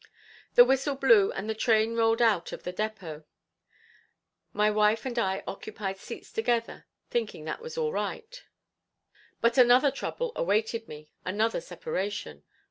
The whistle blew and the train rolled out of the depot. My wife and I occupied seats together, thinking that all was right, but another trouble awaited me, another separation.